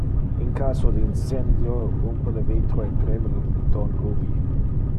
In caso de incendio, rumpe le vitro e preme le button rubie.